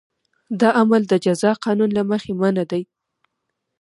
دا عمل د جزا قانون له مخې منع دی.